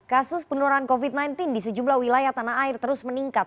kasus penurunan covid sembilan belas di sejumlah wilayah tanah air terus meningkat